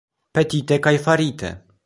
Petite kaj farite!